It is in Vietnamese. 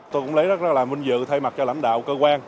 tôi cũng lấy rất là vinh dự thay mặt cho lãnh đạo cơ quan